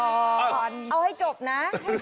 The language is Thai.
เอาให้จบนะให้จบให้จบข่าวนะ